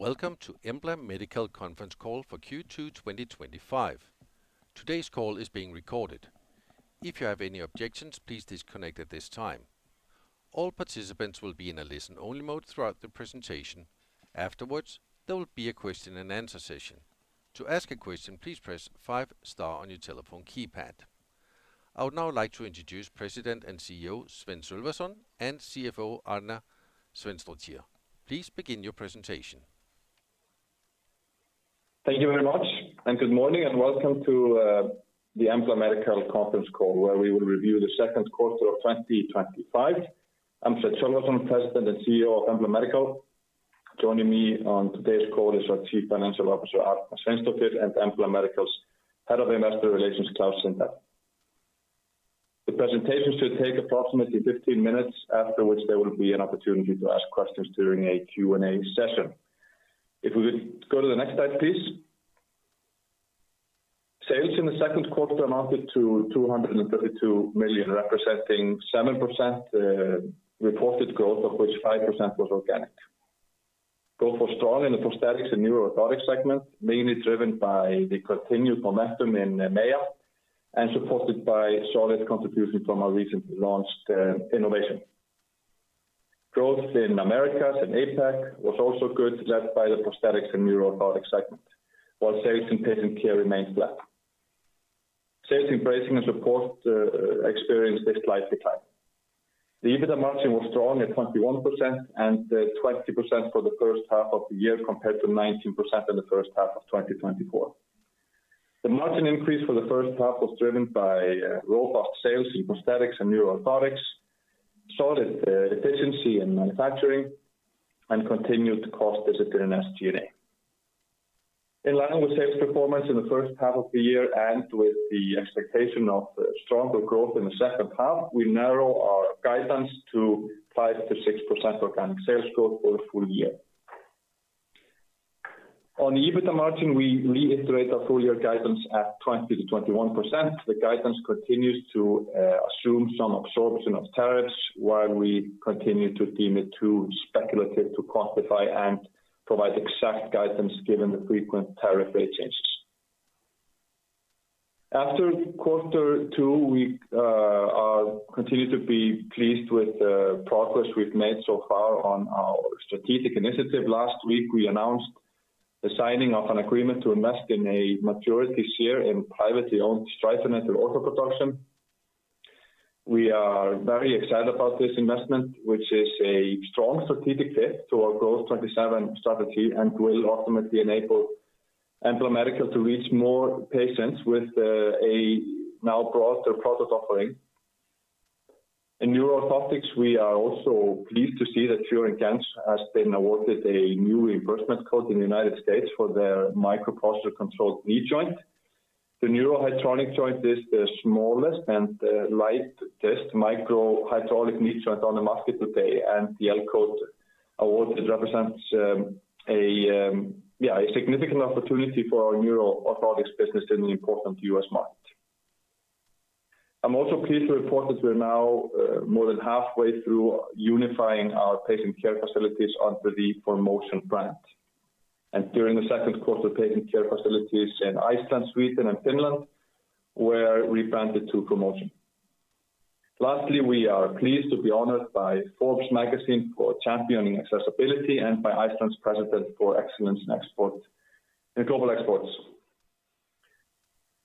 Today's call is being recorded. If you have any objections, please disconnect at this time. All participants will be in a listen only mode throughout the presentation. Afterwards, there will be a question and answer session. I would now like to introduce President and CEO, Sven Silverson and CFO, Arne Svenstrottier. Please begin your presentation. Thank you very much, and good morning, and welcome to the Emblemedical conference call, where we will review the second quarter of twenty twenty five. I'm Svetljolosson Tester, the CEO of Emblemedical. Joining me on today's call is our Chief Financial Officer, Art Van Sveinstofit and Emfla Medical's Head of Investor Relations, Klaus Sinter. The presentation should take approximately fifteen minutes, after which there will be an opportunity to ask questions during a Q and A session. If we would go to the next slide, please. Sales in the second quarter amounted to DKK $232,000,000, representing 7% reported growth, of which 5% was organic. Growth was strong in the Prosthetics and Neuro orthotics segment, mainly driven by the continued momentum in EMEA and supported by solid contribution from our recently launched innovation. Growth in Americas and APAC was also good, led by the Prosthetics and Neuromodotics segment, while sales in Patient Care remained flat. Sales in Bracing and Support experienced a slight decline. The EBITDA margin was strong at 2120% for the first half of the year compared to 19% in the first half of twenty twenty four. The margin increase for the first half was driven by robust sales in prosthetics and neuro orthotics, solid efficiency in manufacturing and continued cost discipline in SG and A. In line with sales performance in the first half of the year and with the expectation of stronger growth in the second half, we narrow our guidance to five to 6% organic sales growth for the full year. On EBITDA margin, we reiterate our full year guidance at 20% to 21%. The guidance continues to assume some absorption of tariffs, while we continue to deem it too speculative to quantify and provide exact guidance given the frequent tariff rate changes. After quarter two, we are continue to be pleased with the progress we've made so far on our strategic initiative. Last week, we announced the signing of an agreement to invest in a maturity share in privately owned striped metal auto production. We are very excited about this investment, which is a strong strategic fit to our Growth '27 strategy and will ultimately enable Emblematica to reach more patients with a now broader product offering. In neuro orthotics, we are also pleased to see that Furingiens has been awarded a new reimbursement code in The United States for their micro posture controlled knee joint. The neuro hydraulic joint is the smallest and light test microhydraulic knee joint on the market today and the L COAT award represents significant opportunity for our Neuro orthotics business in an important U. S. Market. I'm also pleased to report that we are now more than halfway through unifying our patient care facilities under the Promotion brand. And during the second quarter, patient care facilities in Iceland, Sweden and Finland where we granted two promotion. Lastly, we are pleased to be honored by Forbes Magazine for championing accessibility and by Iceland's President for Excellence in Global Exports.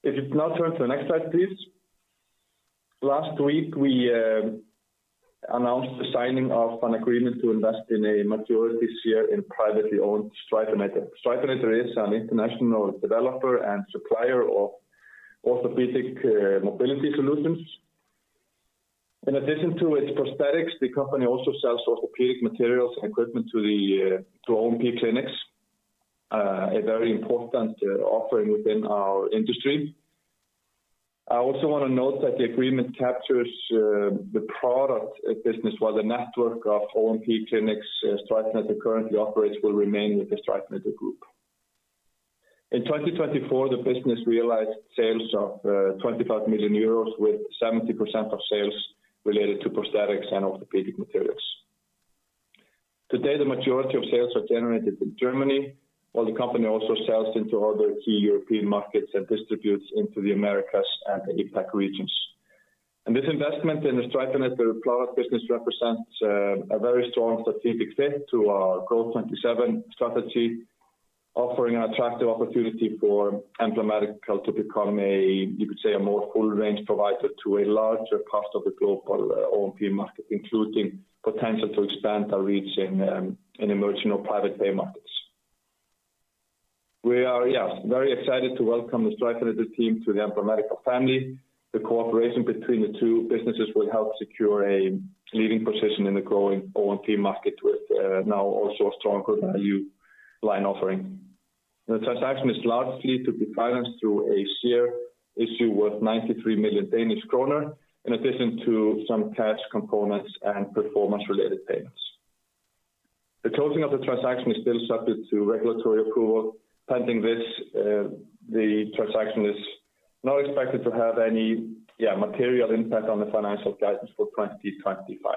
If you now turn to the next slide, please. Last week, we announced the signing of an agreement to invest in a majority share in privately owned Stryphenater is an international developer and supplier of orthopedic mobility solutions. In addition to its prosthetics, the company also sells orthopedic materials and equipment to OMP clinics, a very important offering within our industry. I also want to note that the agreement captures the product business while the network of home key clinics StrikeMeta currently operates will remain with the StrikeMeta Group. 2024, the business realized sales of €25,000,000 with 70% of sales related to prosthetics and orthopedic materials. Today, the majority of sales are generated in Germany, while the company also sells into other key European markets and distributes into The Americas and the APAC regions. And this investment in the Streiffenet product business represents a very strong strategic fit to our Grow '27 strategy, offering an attractive opportunity for Emblematic Health to become a, you could say, more full range provider to a larger cost of the global O and P market, including potential to expand our reach in emerging or private pay markets. We are, yes, very excited to welcome the Strikeliter team to the Emblematica family. The cooperation between the two businesses will help secure a leading position in the growing O and P market with now also a stronger value line offering. The transaction is largely to be financed through a share issue worth 93,000,000 in addition to some cash components and performance related payments. The closing of the transaction is still subject to regulatory approval. Pending this, the transaction is not expected to have any material impact on the financial guidance for 2025.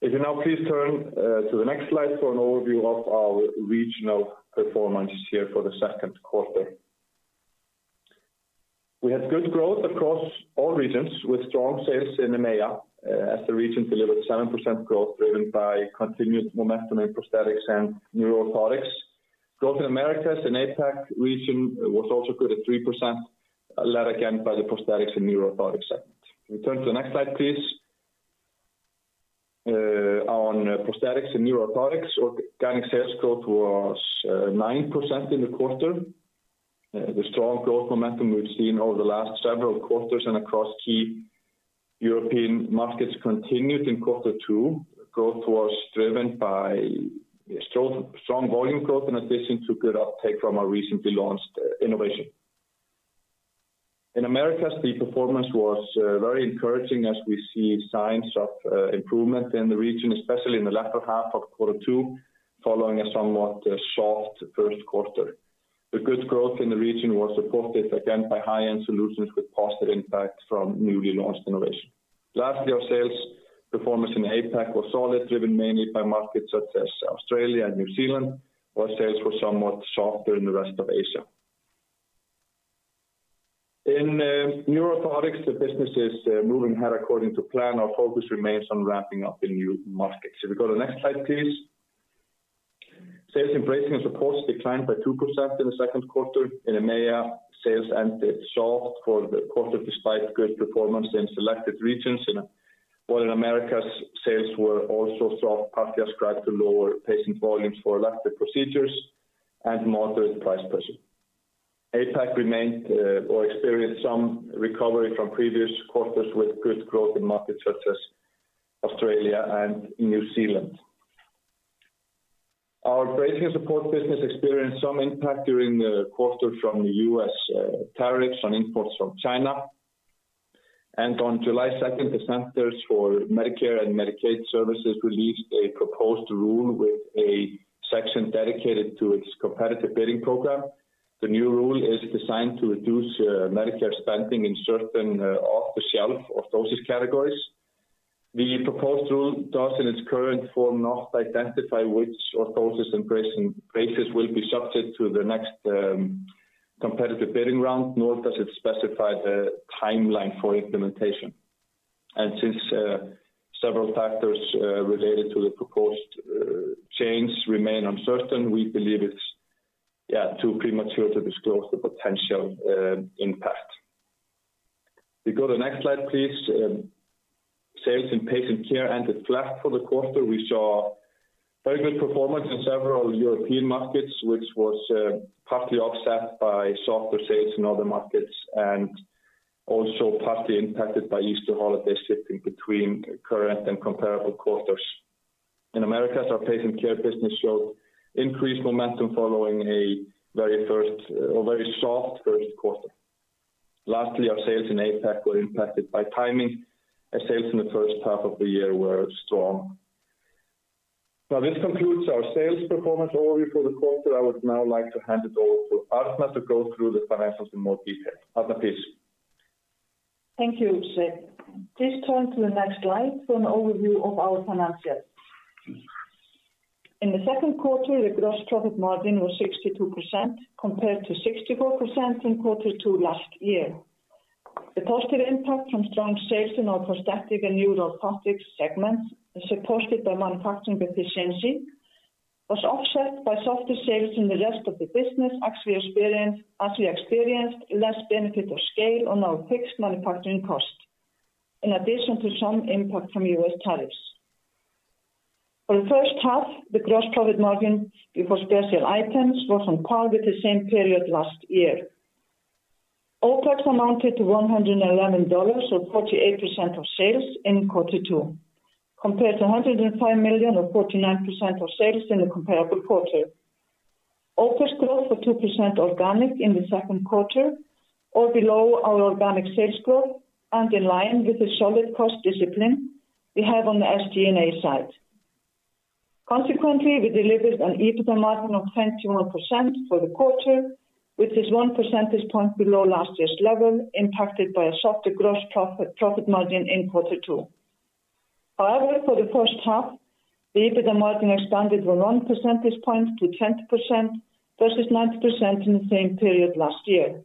If you now please turn to the next slide for an overview of our regional performance here for the second quarter. We had good growth across all regions with strong sales in EMEA as the region delivered 7% growth driven by continued momentum in prosthetics and neuro orthotics. Growth in Americas and APAC region was also good at 3%, led again by the prosthetics and neuro orthotics segment. If turn to the next slide, please. On prosthetics and neuro orthotics, organic sales growth was 9% in the quarter. The strong growth momentum we've seen over the last several quarters and across key European markets continued in quarter two. Growth was driven by strong volume growth in addition to good uptake from our recently launched innovation. In Americas, the performance was very encouraging as we see signs of improvement in the region, especially in the latter half of quarter two following a somewhat soft first quarter. The good growth in the region was supported again by high end solutions with positive impact from newly launched innovation. Lastly, our sales performance in APAC was solid, driven mainly by markets such as Australia and New Zealand, while sales were somewhat softer in the rest of Asia. In Neurothotics, the business is moving ahead according to plan. Our focus remains ramping up in new markets. If we go to the next slide, please. Sales in Braking and Support declined by 2% in the second quarter. In EMEA, sales ended soft for the quarter despite good performance in selected regions. In Oil and Americas, sales were also soft partly ascribed to lower patient volumes for elective procedures and moderate price pressure. APAC remained or experienced some recovery from previous quarters with good growth in markets such as Australia and New Zealand. Our Braising and Support business experienced some impact during the quarter from The U. S. Tariffs on imports from China. And on July 2, the Centers for Medicare and Medicaid Services released a proposed rule with a section dedicated to its competitive bidding program. The new rule is designed to reduce Medicare spending in certain off the shelf orthoses categories. The proposed rule does in its current form not identify which orthoses and braces will be subject to the next competitive bidding round nor does it specify the time line for implementation. And since several factors related to the proposed change remain uncertain, we believe it's too premature to disclose the potential impact. If we go to the next slide, please. Sales in Patient Care ended flat for the quarter. We saw very good performance in several European markets, which was partly offset by softer sales in other markets and also partly impacted by Easter holiday shifting between current and comparable quarters. In Americas, our Patient Care business showed increased momentum following a very first a very soft first quarter. Lastly, our sales in APAC were impacted by timing as sales in the first half of the year were strong. Now this concludes our sales performance overview for the quarter. I would now like to hand it over to Arna to go through the financials in more detail. Arna, please. Thank you, Sig. Please turn to the next slide for an overview of our financials. In the second quarter, the gross profit margin was 62% compared to 64% in quarter two last year. The positive impact from strong sales in our Prosthetic and Neural Components segments, as supported by Manufacturing efficiency, was offset by softer sales in the rest of the business as we experienced less benefit of scale on our fixed manufacturing costs, in addition to some impact from U. S. Tariffs. For the first half, the gross profit margin before special items was on par with the same period last year. OpEx amounted to $111 or 48% of sales in quarter two compared to $105,000,000 or 49% of sales in the comparable quarter. OpEx growth of 2% organic in the second quarter or below our organic sales growth and in line with the solid cost discipline we have on the SG and A side. Consequently, we delivered an EBITDA margin of 21% for the quarter, which is one percentage point below last year's level, impacted by a softer gross profit margin in quarter two. However, for the first half, the EBITDA margin expanded by one percentage point to 20% versus 90% in the same period last year.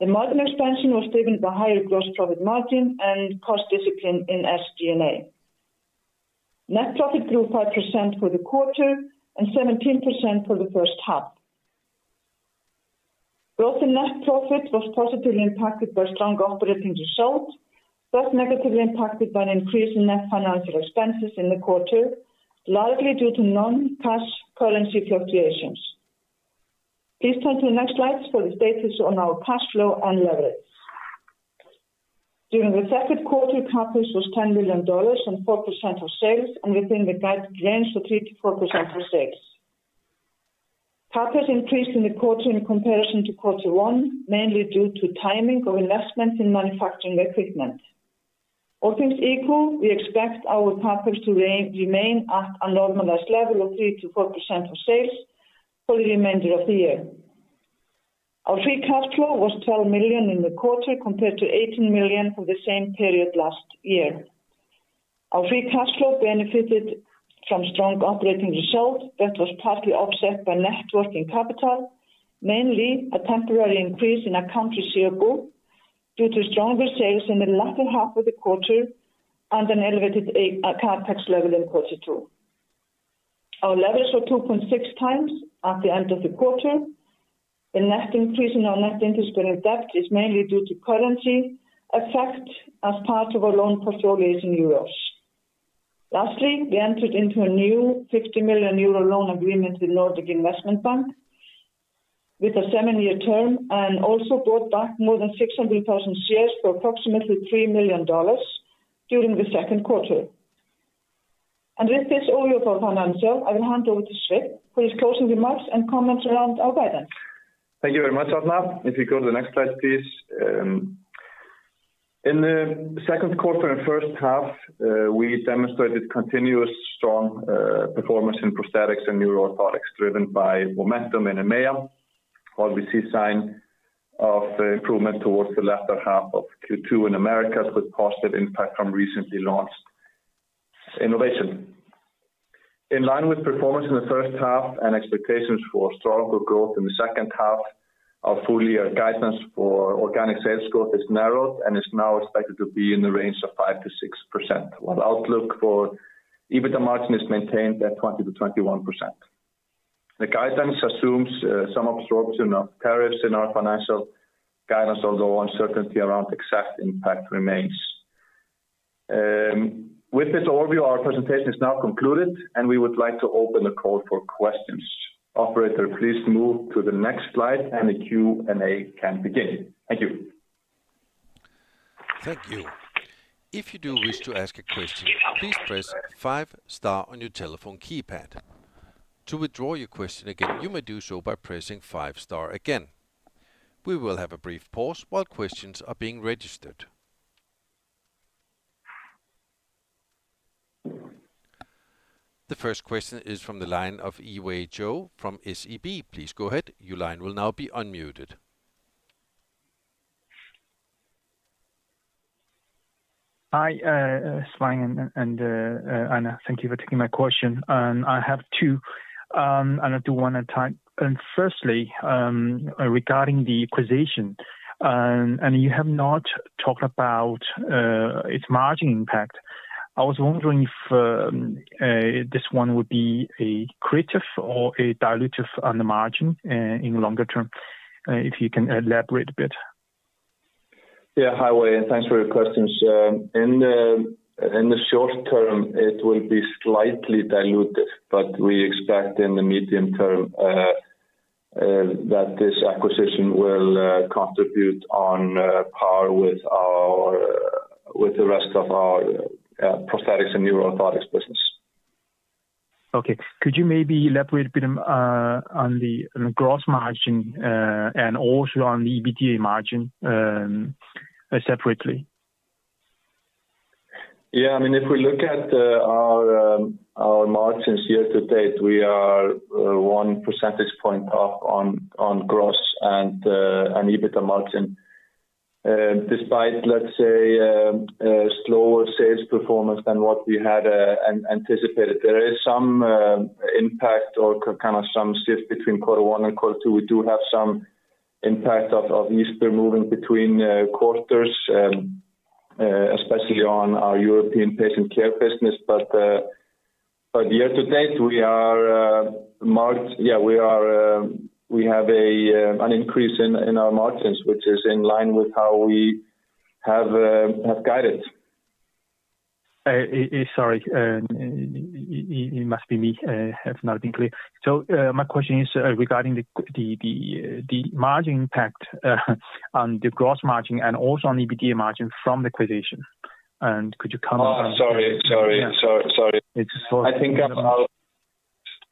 The margin expansion was driven by higher gross profit margin and cost discipline in SG and A. Net profit grew 5% for the quarter and 17% for the first half. Growth in net profit was positively impacted by strong operating results, but negatively impacted by an increase in net financial expenses in the quarter, largely due to noncash currency fluctuations. Please turn to the next slide for the status on our cash flow and leverage. During the second quarter, CapEx was $10,000,000 and 4% of sales and within the guided range of 3% to 4% of sales. CapEx increased in the quarter in comparison to quarter one, mainly due to timing of investments in manufacturing equipment. All things equal, we expect our CapEx to remain at a normalized level of 3% to 4% of sales for the remainder of the year. Our free cash flow was 12,000,000 in the quarter compared to 18,000,000 for the same period last year. Our free cash flow benefited from strong operating result that was partly offset by net working capital, mainly a temporary increase in accounts receivable due to stronger sales in the latter half of the quarter and an elevated CapEx level in quarter two. Our leverage of 2.6 times at the end of the quarter. The net increase in our net interest bearing debt is mainly due to currency effect as part of our loan portfolio in euros. Lastly, we entered into a new 50,000,000 euro loan agreement with Nordic Investment Bank with a seven year term and also bought back more than 600,000 shares for approximately $3,000,000 during the second quarter. And with this overview of our financials, I will hand over to Sve for his closing remarks and comments around our guidance. Thank you very much, Arnav. If we go to the next slide, please. In the second quarter and first half, we demonstrated continuous strong performance in prosthetics and neuro orthotics driven by momentum in EMEA, while we see a sign of improvement towards the latter half of Q2 in Americas with positive impact from recently launched innovation. In line with performance in the first half and expectations for strong book growth in the second half, our full year guidance for organic sales growth has narrowed and is now expected to be in the range of 5% to six percent, while the outlook for EBITDA margin is maintained at 20% to 21%. The guidance assumes some absorption of tariffs in our financial guidance, although uncertainty around exact impact remains. With this overview, our presentation is now concluded, and we would like to open the call for questions. Operator, please move to the next slide, and the Q and A can begin. Thank you. Thank The first question is from the line of Yiwei Zhou from SEB. Please go ahead. Your line will now be unmuted. Svein and Anna. Thank you for taking my question. I have two. Anna, do one at a time. And firstly, regarding the acquisition, and you have not talked about its margin impact. I was wondering if this one would be accretive or a dilutive on the margin in longer term, if you can elaborate a bit. Wei. Thanks for your questions. In the short term, it will be slightly dilutive, but we expect in the medium term that this acquisition will contribute on par with our with the rest of our prosthetics and neuro orthotics business. Okay. Could you maybe elaborate a bit on the gross margin and also on the EBITDA margin separately? Yes. I mean, if we look at our margins year to date, we are one percentage point up on gross and EBITDA margin. Despite, let's say, slower sales performance than what we had anticipated, there is some impact or kind of some shift between quarter one and quarter two. We do have some impact of Easter moving between quarters, especially on our European patient care business. But year to date, we are marked yes, we are we have an increase in our margins, which is in line with how we have guided. Sorry. It must be me. Have not been clear. So my question is regarding the margin impact on the gross margin and also on EBITDA margin from the acquisition. And could you comment on that? Sorry, sorry, sorry. I think I'll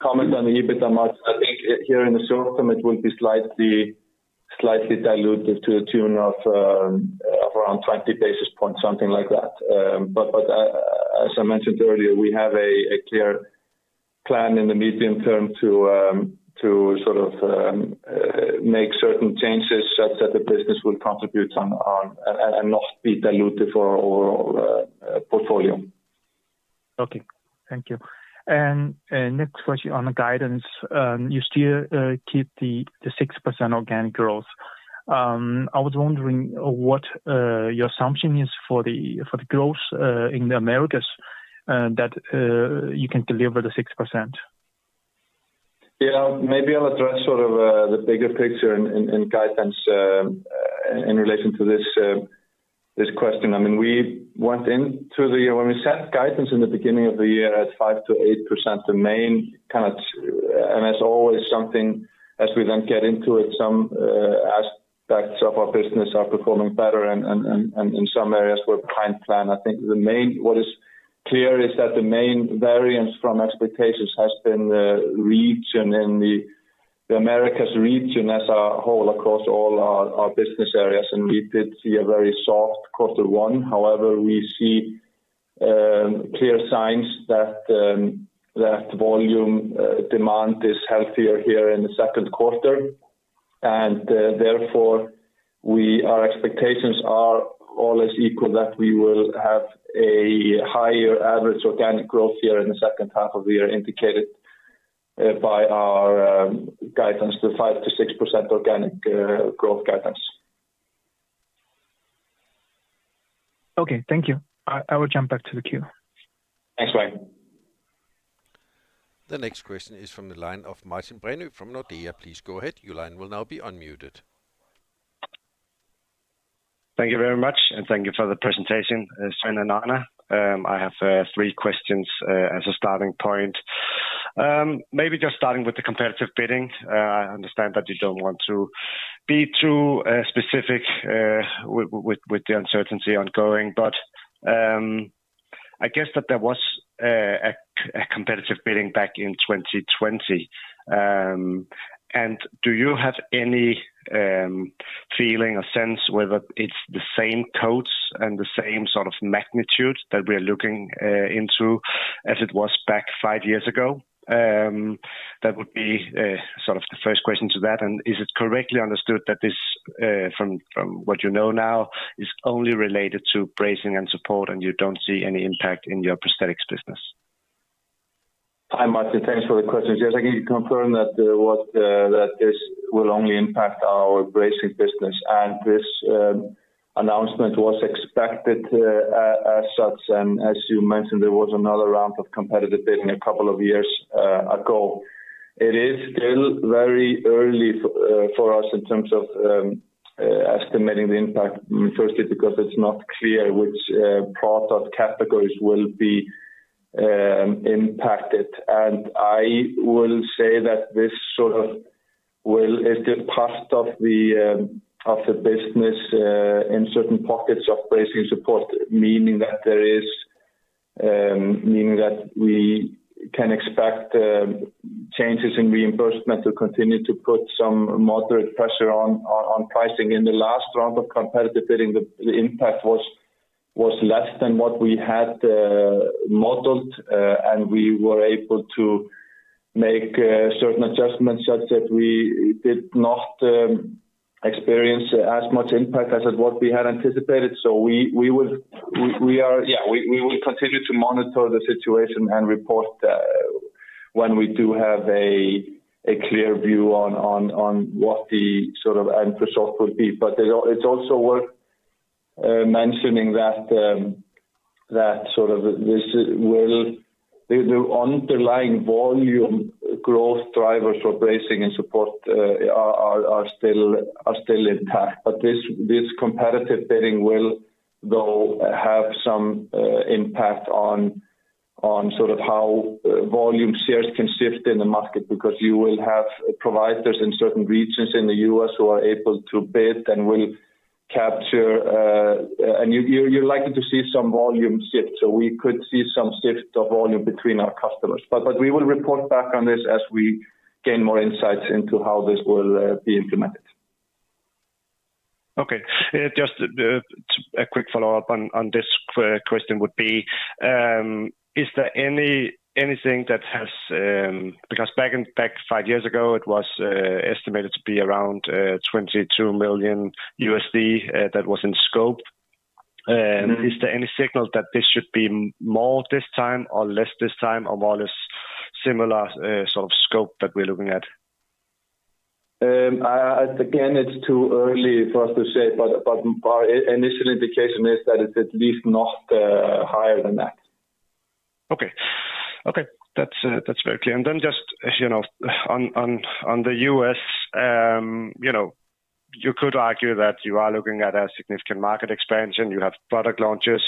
comment on the EBITDA margin. I think here in the short term, it will be slightly dilutive to the tune of around 20 basis points, something like that. But as I mentioned earlier, we have a clear plan in the medium term to sort of make certain changes such that the business will contribute on and not be dilutive for our portfolio. Okay. Thank you. And next question on the guidance. You still keep the 6% organic growth. I was wondering what your assumption is for the growth in The Americas that you can deliver the 6%? Yes. Maybe I'll address sort of the bigger picture in guidance in relation to this question. I mean, we went in through the when we set guidance in the beginning of the year at 5% to 8%, the main kind of and as always something as we then get into it, some aspects of our business are performing better and in some areas we're behind plan. I think the main what is clear is that the main variance from expectations has been the region in the Americas region as a whole across all our business areas, and we did see a very soft quarter one. However, we see clear signs that volume demand is healthier here in the second quarter. And therefore, we our expectations are all is equal that we will have a higher average organic growth here in the second half of the year indicated by our guidance, the 5% to 6% organic growth guidance. Okay. Thank you. I will jump back to the queue. Thanks, Magnus. The next question is from the line of Martin Breynhw from Nordea. Please go ahead. Your line will now be unmuted. You very much, and thank you for the presentation, Svein and Arne. I have three questions as a starting point. Maybe just starting with the competitive bidding. I understand that you don't want to be too specific with the uncertainty ongoing. But I guess that there was a competitive bidding back in 2020. And do you have any feeling or sense whether it's the same codes and the same sort of magnitude that we are looking into as it was back five years ago? That would be sort of the first question to that. And is it correctly understood that this, from what you know now, is only related to bracing and support and you don't see any impact in your prosthetics business? Hi, Martin. Thanks for the questions. Yes, I can confirm that this will only impact our bracing business. And this announcement was expected as such. And as you mentioned, there was another ramp of competitive bidding a couple of years ago. It is still very early for us in terms of estimating the impact, firstly, because it's not clear which product categories will be impacted. And I will say that this sort of will is the cost of the business in certain pockets of bracing support, meaning that there is meaning that we can expect changes in reimbursement to continue to put some moderate pressure on pricing. In the last round of competitive bidding, the impact was less than what we had modeled and we were able to make certain adjustments such that we did not experience as much impact as what we had anticipated. So are yes, we will continue to monitor the situation and report when we do have a clear view on what the sort of end result would be. But it's also worth mentioning that sort of this will the underlying volume growth drivers for bracing and support are still intact. But this competitive bidding will, though have some impact on sort of how volume shares can shift in the market because you will have providers in certain regions in The U. S. Who are able to bid and will capture and you're likely to see some volume shift. So we could see some shift of volume between our customers. But we will report back on this as we gain more insights into how this will be implemented. Okay. Just a quick follow-up on this question would be, is there anything that has because back five years ago, it was estimated to be around 22,000,000 USD that was in scope. Is there any signal that this should be more this time or less this time or more or less similar sort of scope that we're looking at? Again, it's too early for us to say. But our initial indication is that it's at least not higher than that. Okay. Okay. That's very clear. And then just on The U. S, you could argue that you are looking at a significant market expansion. You have product launches.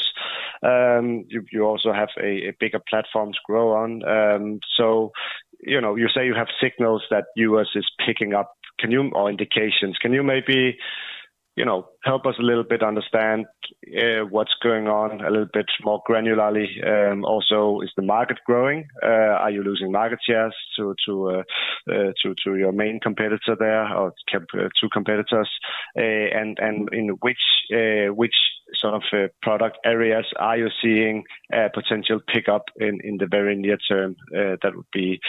You also have a bigger platform to grow on. So you say you have signals that U. S. Is picking up. Can you or indications, can you maybe help us a little bit understand what's going on a little bit more granularly? Also, is the market growing? Are you losing market to your main competitor there or two competitors? And in which sort of product areas are you seeing a potential pickup in the very near term? That would be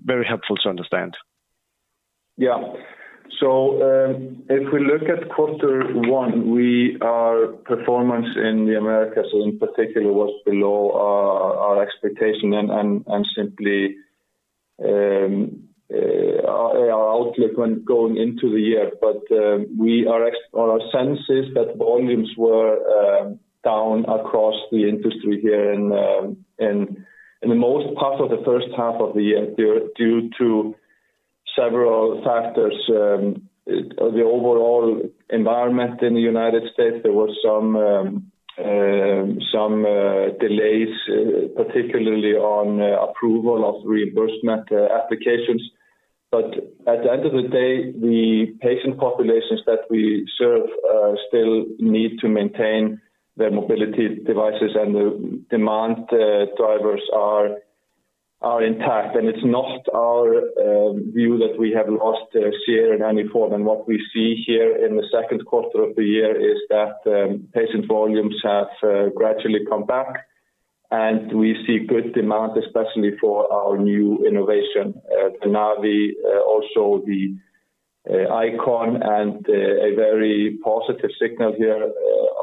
very helpful to understand. Yes. So if we look at quarter one, we our performance in The Americas, in particular, was below our expectation. And simply outlook going into the year. But we are our sense is that volumes were down across the industry here in the most part of the first half of the year due to several factors. The overall environment in The United States, there were some delays, particularly on approval of reimbursement applications. But at the end of the day, the patient populations that we serve still need to maintain their mobility devices and the demand drivers are intact. And it's not our view that we have lost share in any form. And what we see here in the second quarter of the year is that patient volumes have gradually come back. And we see good demand, especially for our new innovation, Tenavi, also the Icon and a very positive signal here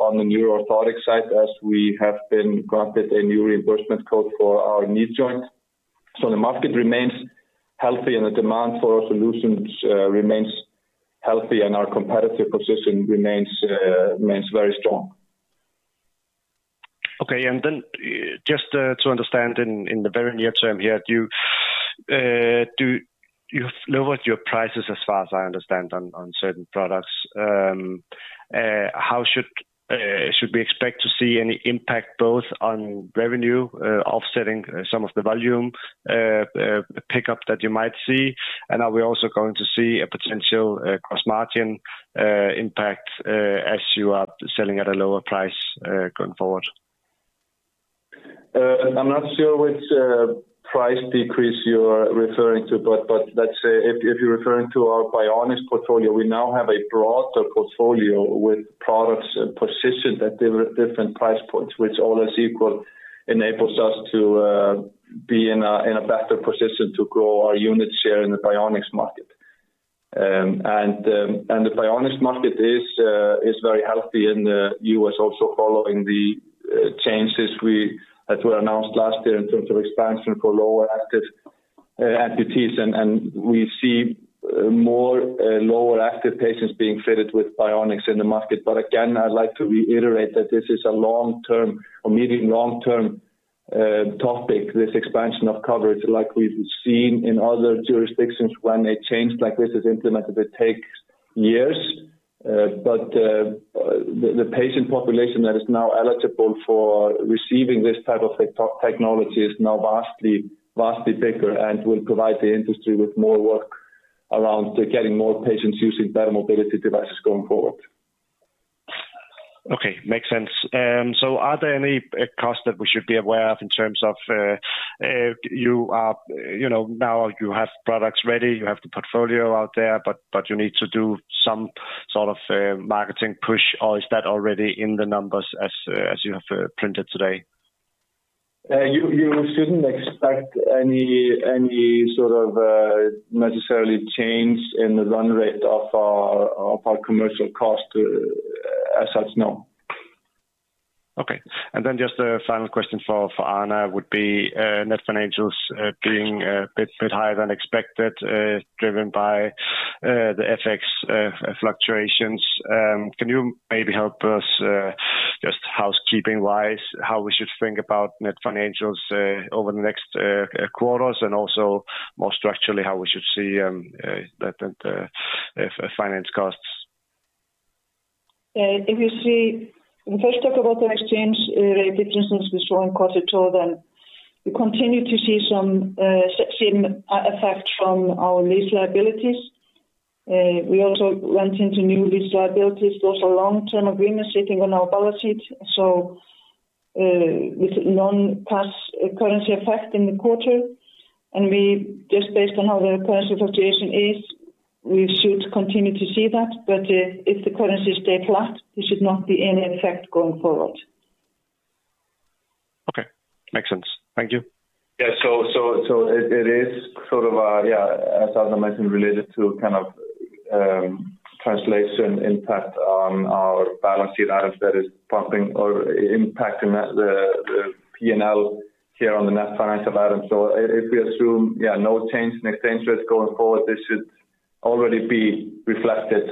on the neuro orthotics side as we have been granted a new reimbursement code for our knee joint. So the market remains healthy and the demand for our solutions remains healthy and our competitive position remains very strong. Okay. And then just to understand in the very near term here, do you lowered your prices as far as I understand on certain products? How should we expect to see any impact both on revenue offsetting some of the volume pickup that you might see? And are we also going to see a potential gross margin impact as you are selling at a lower price going forward? I'm not sure which price decrease you're referring to. But let's say, if you're referring to our VIANAX portfolio, we now have a broader portfolio with products positioned at different price points, which all else equal enables us to be in a better position to grow our unit share in the Bionics market. And the Bionics market is very healthy in The U. S. Also following the changes we that were announced last year in terms of expansion for lower active amputees. And we see more lower active patients being fitted with Vionic in the market. But again, I'd like to reiterate that this is a long term or medium long term topic, this expansion of coverage like we've seen in other jurisdictions when they change like this is implemented, it takes years. But the patient population that is now eligible for receiving this type of technology is now vastly bigger and will provide the industry with more work around getting more patients using their mobility devices going forward. Okay. Makes sense. So are there any costs that we should be aware of in terms of you are now you have products ready, you have the portfolio out there, but you need to do some sort of marketing push? Or is that already in the numbers as you have printed today? You shouldn't expect any sort of necessarily change in the run rate of commercial cost as such, no. Okay. And then just a final question for Anna would be net financials being a bit higher than expected, driven by the FX fluctuations. Can you maybe help us just housekeeping wise, how we should think about net financials over the next quarters? And also, more structurally, how we should see the finance costs? If you see when we first talk about the exchange rate differences, we saw in Qasitur then. We continue to see some same effect from our lease liabilities. We also went into new lease liabilities. There was a long term agreement sitting on our balance sheet. So with noncash currency effect in the quarter, and we just based on how the currency fluctuation is, we should continue to see that. But if the currency stays flat, there should not be any effect going forward. Okay. Makes sense. Thank you. Yes. So it is sort of a yes, as Arthur mentioned, related to kind of translation impact on our balance sheet items that is pumping or impacting the P and L here on the net financial items. So if we assume, yes, no change change in exchange rates going forward, this should already be reflected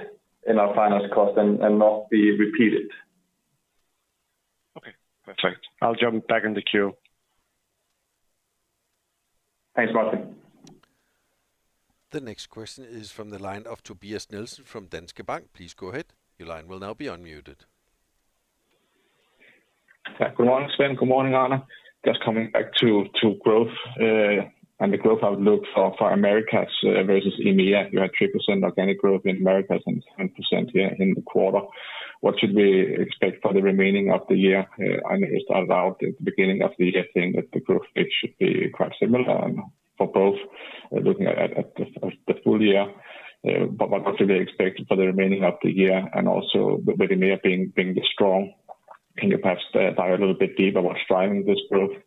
in our finance cost and not be repeated. Okay, perfect. I'll jump back in the queue. Thanks, Martin. The next question is from the line of Tobias Nilsson from Danske Bank. Please go ahead. Your line will now be unmuted. Good morning, Sven. Good morning, Arne. Just coming back to growth and the growth outlook for Americas versus EMEA. You had 3% organic growth in Americas and 10% here in the quarter. What should we expect for the remaining of the year? I know you started out at the beginning of the year saying that the growth rate should be quite similar for both looking at the full year. But what should we expect for the remaining of the year? And also with EMEA being strong, can you perhaps dive a little bit deeper? What's driving this growth?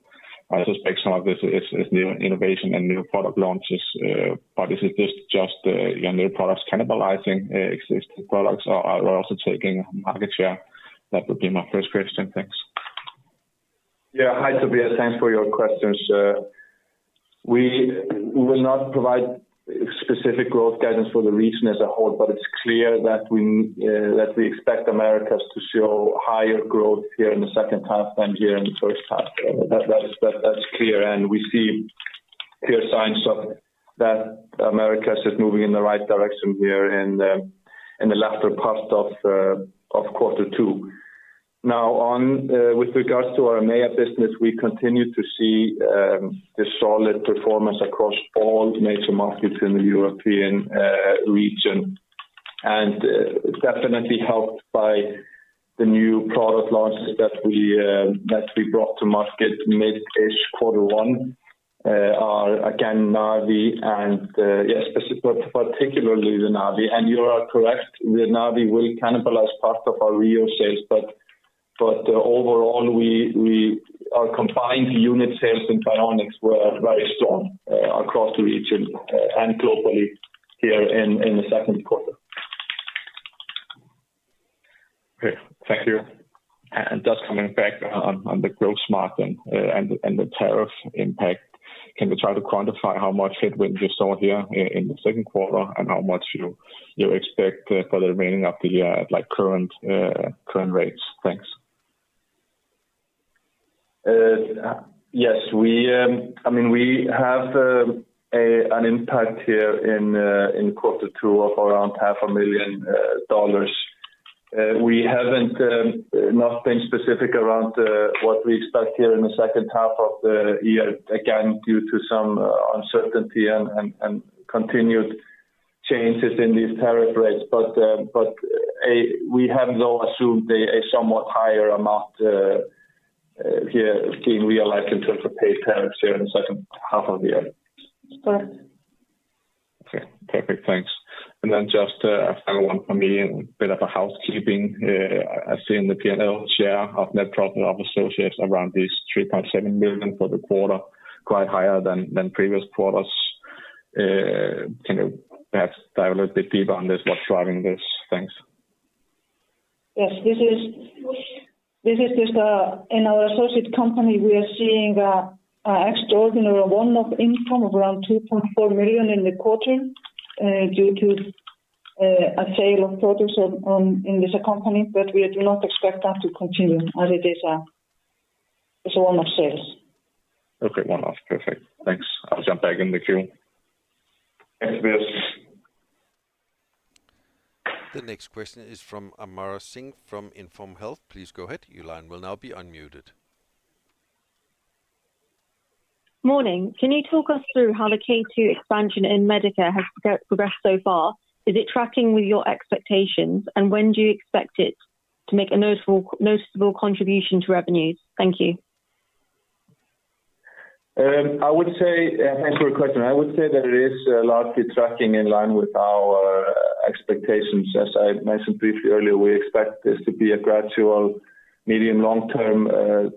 I suspect some of this is new innovation and new product launches. But is it just your new products cannibalizing existing products or you also taking market share? That would be my first question. Yes. Hi, Tobias. Thanks. Thanks for your questions. We will not provide specific growth guidance for the region as a whole, but it's clear that we expect Americas to show higher growth here in the second half than here in the first half. That's clear. And we see clear signs of that Americas is moving in the right direction here in the latter part of quarter two. Now on with regards to our EMEA business, we continue to see the solid performance across all major markets in the European region and definitely helped by the new product launches that we brought to market mid ish quarter one are, again, NaVi and yes, particularly the NaVi. And you are correct, the NaVi will cannibalize part of our Rio sales. But overall, we our combined unit sales in Vionic were very strong across the region and globally here in the second quarter. Okay. Thank you. Just coming back on the gross margin and tariff impact, can we try to quantify how much headwind you saw here in the second quarter? And how much expect for the remaining of the year at like current rates? Thanks. Yes. We I mean, we have an impact here in quarter two of around 550,000 We haven't nothing specific around what we expect here in the second half of the year, again, due to some uncertainty and continued changes in these tariff rates. But we have now assumed a somewhat higher amount here, seeing realized in terms of paid tariffs here in the second half of the year. Okay. Perfect. And then just a final one for me, a bit of a housekeeping. I've seen the P and L share of net profit of associates around this 3,700,000.0 for the quarter, quite higher than previous quarters. Can you perhaps dive a little bit deeper on this, what's driving this? Thanks. Yes. This is just in our associate company, we are seeing an extraordinary one off income of around 2,400,000.0 in quarter due to a sale of products in this company, but we do not expect that to continue as it is one off sales. Okay. One off. Perfect. Thanks. I'll jump back in the queue. Thanks, Bijas. The next question is from Amara Singh from InformHealth. Please go ahead. Your line will now be unmuted. Good morning. Can you talk us through how the K2 expansion in Medicare has progressed so far? Is it tracking with your expectations? And when do you expect it to make a noticeable contribution to revenues? Thank you. I would say thanks for your question. I would say that it is largely tracking in line with our expectations. As I mentioned briefly earlier, we expect this to be a gradual medium, long term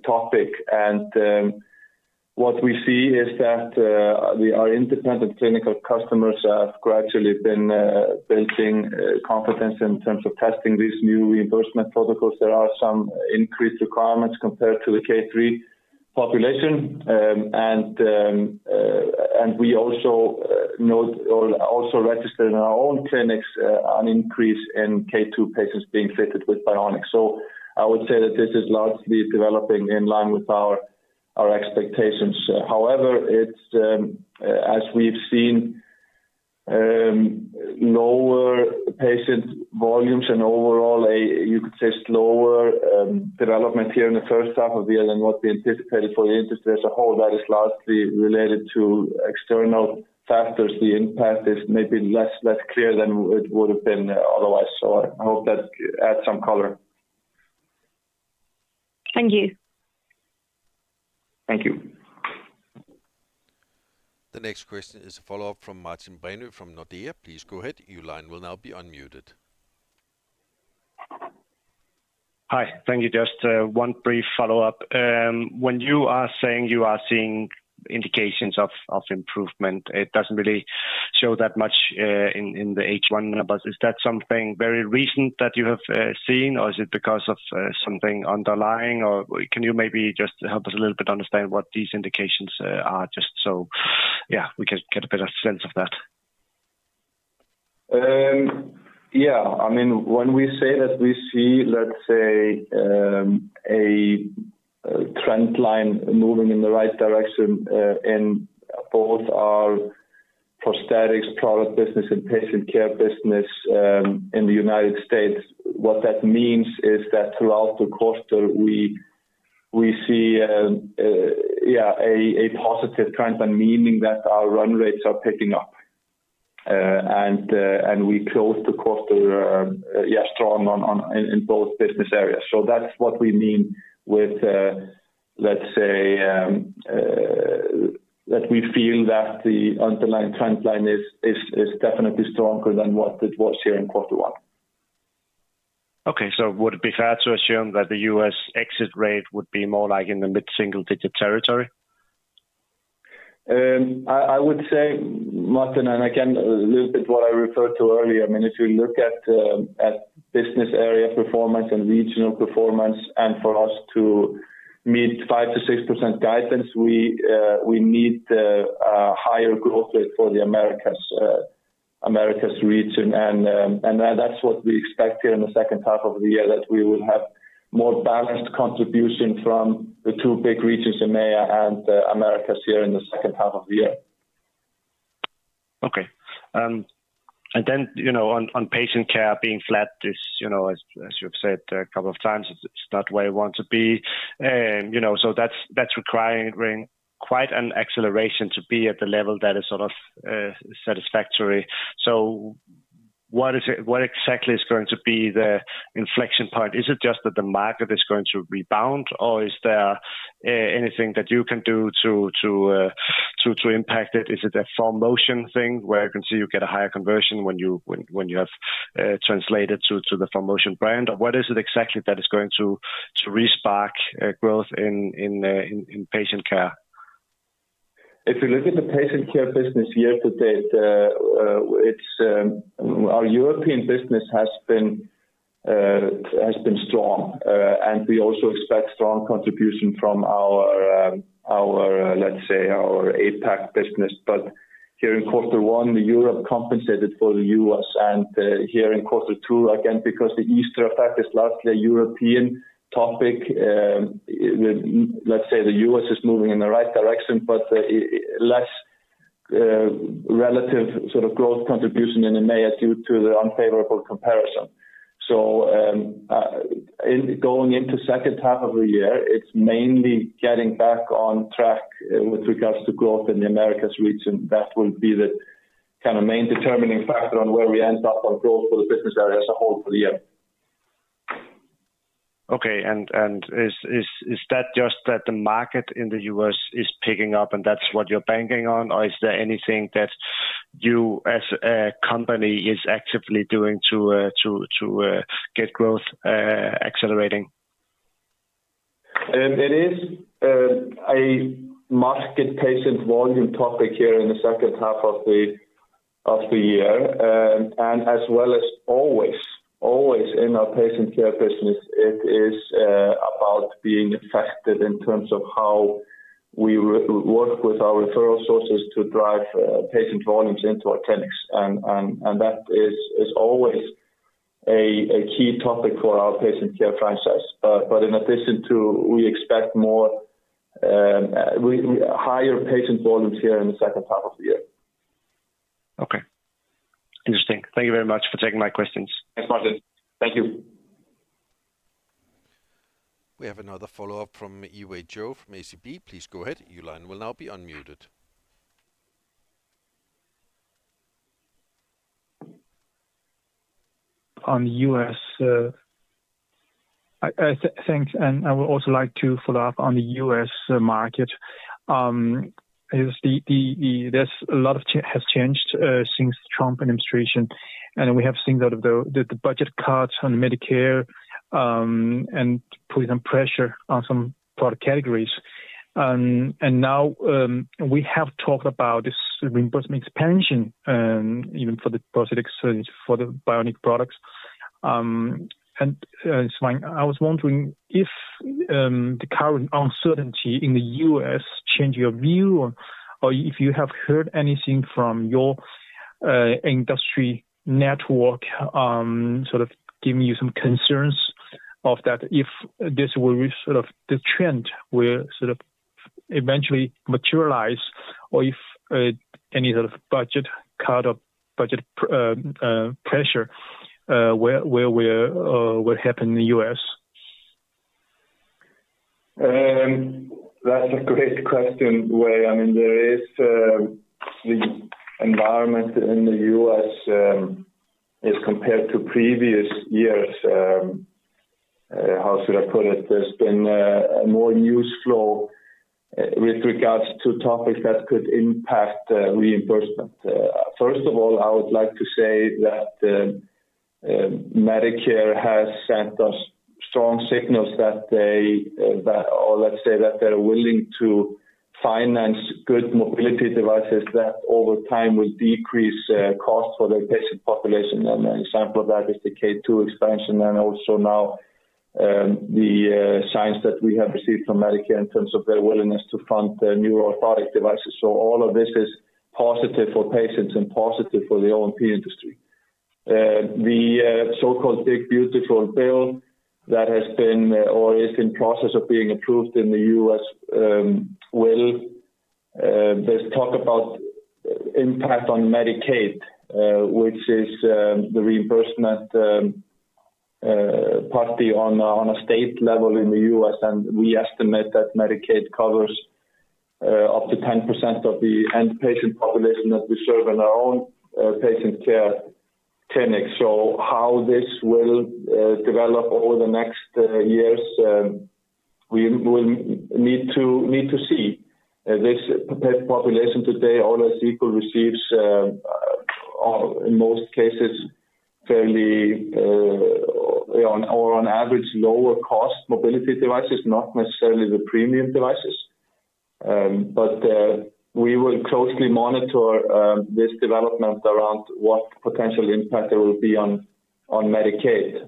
topic. And what we see is that our independent clinical customers have gradually been building confidence in terms of testing these new reimbursement protocols. There are some increased requirements compared to the K3 population. And we also note also registered in our own clinics an increase in K2 patients being fitted with Bionic. So I would say that this is largely developing in line with our expectations. However, it's as we've seen lower patient volumes and overall, you could say, development here in the first half of the year than what we anticipated for the industry as a whole, that is largely related to external factors. The impact is maybe less, less clear than it would have been otherwise. So I hope that adds some color. Thank you. Thank you. The next question is a follow-up from Martin Breynhw from Nordea. Please go ahead. Your line will now be unmuted. Hi, thank you. Just one brief follow-up. When you are saying you are seeing indications of improvement, it doesn't really show that much in the H1 numbers. Is that something very recent that you have seen? Or is it because of something underlying? Or can you maybe just help us a little bit understand what these indications are just so, yes, we can get a better sense of that? Yes. I mean when we say that we see, let's say, a trend line moving in the right direction in both our prosthetics product business and patient care business in The United States, what that means is that throughout the quarter, we see, yes, a positive trend, meaning that our run rates are picking up. And we close the quarter, yes, strong on in both business areas. So that's what we mean with, let's say, that we feel that the underlying trend line is definitely stronger than what it was here in quarter one. Okay. So would it be fair to assume that The U. S. Exit rate would be more like in the mid single digit territory? Would say, Martin, and again, a little bit what I referred to earlier. I mean if you look at business area performance and regional performance and for us to meet 5% to 6% guidance, we need higher growth rate for the Americas region. That's what we expect here in the second half of the year that we will have more balanced contribution from the two big regions, EMEA and Americas here in the second half of the year. Okay. And then on Patient Care being flat, you've said a couple of times, it's not where I want to be. So that's requiring quite an acceleration to be at the level that is sort of satisfactory. So what is it what exactly is going to be the inflection point? Is it just that the market is going to rebound? Or is there anything that you can do to impact it? Is it a FormMotion thing where you can see you get a higher conversion when you have translated to the ForMotion brand? Or what is it exactly that is going to re spark growth in patient care? If you look at the patient care business year to date, it's our European business has been strong. And we also expect strong contribution from our, let's say, our APAC business. But here in quarter one, Europe compensated for The U. S. And here in quarter two, again, because the Easter effect is largely a European topic. Let's say, The U. S. Is moving in the right direction, but less relative sort of growth contribution in EMEA due to the unfavorable comparison. So going into second half of the year, it's mainly getting back on track with regards to growth in the Americas region. That will be the kind of main determining factor on where we end up on growth for the business area as a whole for the year. Okay. And is that just that the market in The U. S. Is picking up and that's what you're banking on? Or is there anything that you as a company is actively doing to get growth accelerating? It is a market patient volume topic here in the second half of the year. And as well as always, always in our patient care business, it is about being affected in terms of how we work with our referral sources to drive patient volumes into our clinics. And that is always a key topic for our patient care franchise. But in addition to we expect more higher patient volumes here in the second half of the year. Okay. Interesting. Thank you very much for taking my questions. Thanks, Martin. Thank you. We have another follow-up from Yiwei Zhou from ACB. Please go ahead. Your line will now be unmuted. On U. S. Thanks. And I would also like to follow-up on The U. S. Market. There's a lot of has changed since Trump administration. And we have seen that the budget cuts on Medicare and putting some pressure on some product categories. And now we have talked about this reimbursement expansion even for the prosthetics for the Bionic products. It's fine. I was wondering if the current uncertainty in The U. S. Change your view or if you have heard anything from your industry network sort of giving you some concerns of that if this will be sort of the trend will sort of eventually materialize or if any sort of budget cut or budget pressure where will happened in The U. S? That's a great question, Wei. I mean, there is the environment in The U. S. As compared to previous years, how should I put it, there's been a more news flow with regards to topics that could impact reimbursement. First of all, I would like to say that Medicare has sent us strong signals that they or let's say that they're willing to finance good mobility devices that over time will decrease costs for the patient population. And an example of that is the K2 expansion and also now the signs that we have received from Medicare in terms of their willingness to fund new orthotic devices. So all of this is positive for patients and positive for the O and P industry. The so called big beautiful bill that has been or is in process of being approved in The U. S. Will there's talk about impact on Medicaid, which is the reimbursement partly on a state level in The U. S, and we estimate that Medicaid covers up to ten percent of the end patient population that we serve in our own patient care clinic. So how this will develop over the next years, we will need to see. This population today, all else equal receives, in most cases, fairly or on average lower cost mobility devices, not necessarily the premium devices. But we will closely monitor this development around what potential impact there will be on Medicaid.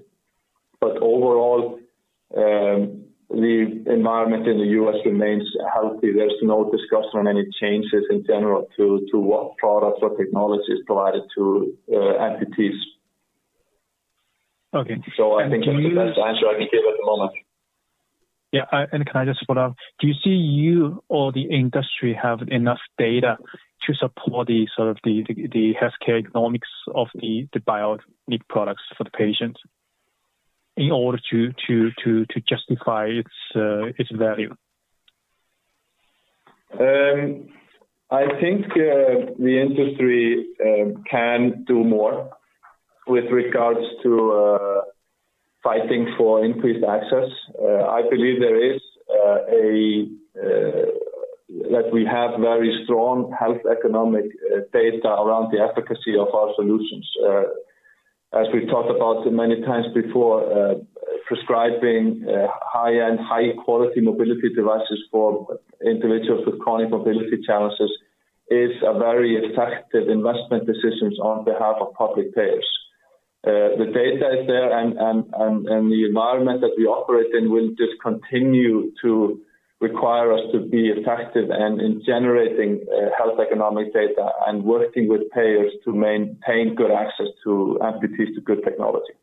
But overall, the environment in The U. S. Remains healthy. There's no discussion on any changes in general to what products or technologies provided to entities. Okay. I think that's the answer I can give at the moment. Yes. And can I just follow-up? Do you see you or the industry have enough data to support the sort of the health care economics of the biotech products for the patients in order to justify its value? I think the industry can do more with regards to fighting for increased access. I believe there is a that we have very strong health economic data around the efficacy of our solutions. As we've talked about many times before, prescribing high end, high quality mobility devices for individuals with chronic mobility challenges is a very effective investment decisions on behalf of public payers. The data is there and the environment that we operate in will just continue to require us to be effective in generating health economic data and working with payers to maintain good access to technology.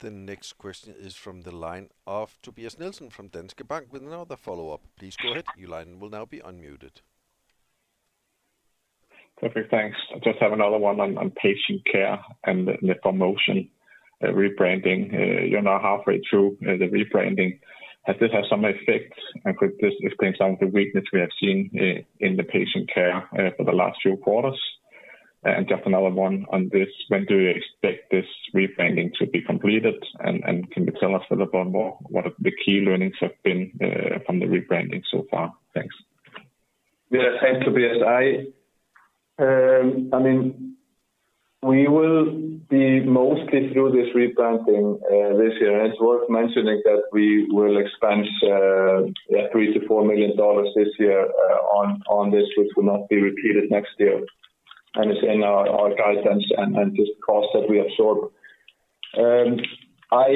The next question is from the line of Tobias Nielsen from Danske Bank Please go ahead. Your line will now be unmuted. Perfect. Thanks. I just have another one on patient care and the promotion rebranding. You're now halfway through the rebranding. Has this had some effect? And could this explain some of the weakness we have seen in the patient care for the last few quarters? And just another one on this. When do you expect this rebranding to be completed? And can you tell us a little bit more what the key learnings have been from the rebranding so far? Yes. Thanks to BSI. I mean we will be mostly through this replanting this year. And it's worth mentioning that we will expense 3,000,000 to $4,000,000 this year on this, which will not be repeated next year. And it's in our guidance and just costs that we absorb. I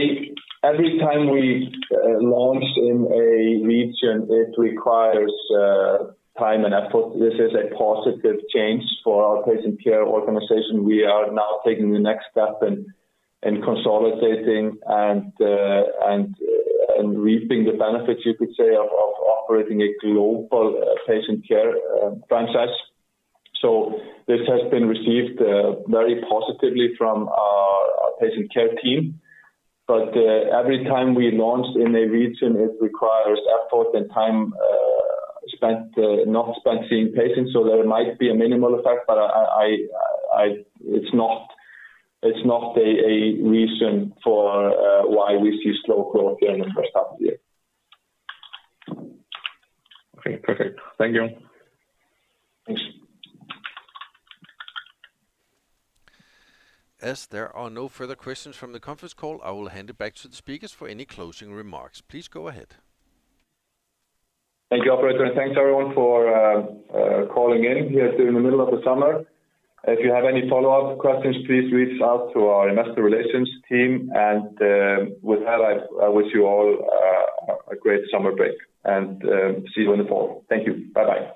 every time we launch in a region, it requires time and effort. This is a positive change for our patient care organization. We are now taking the next step in consolidating and reaping the benefits, you could say, of operating a global patient care franchise. So this has been received very positively from our patient care team. But every time we launch in a region, it requires effort and time spent not spent seeing patients. So there might be a minimal effect, but I it's not a reason for why we see slow growth during the first half of the year. Okay, perfect. Thank you. Thanks. As there are no further questions from the conference call, I will hand it back to the speakers for any closing remarks. Please go ahead. You, operator, and thanks, everyone, for calling in here during the middle of the summer. If you have any follow-up questions, please reach out to our Investor Relations team. And with that, I wish you all a great summer break, and see you on the fall. Thank you. Bye bye.